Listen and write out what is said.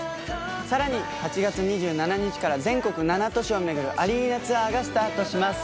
さらに８月２７日から全国７都市を巡るアリーナツアーがスタートします。